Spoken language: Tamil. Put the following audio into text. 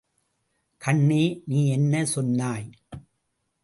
கண்ணே நீ என்ன சொன்னாய்!